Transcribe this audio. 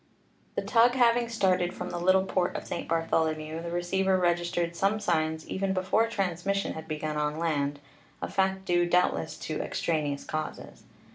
The tug having started from the little port of St. Bar tholomew, the receiver registered some signs even before transmission had begun on land, a fact due doubtless to extraneous causes.